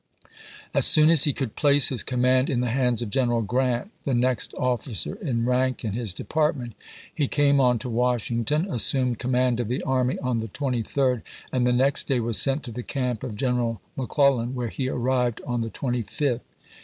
As soon as he could place his command in the hands of General Grant, the next officer in rank in his department, he came on to Washington, assumed command of the army on the 23d, and the next day was sent to the camp of General McClellan, where he arrived on the 25th.